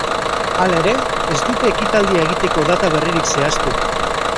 Hala ere, ez dute ekitaldia egiteko data berririk zehaztu.